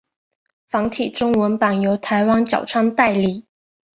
繁体中文版由台湾角川代理。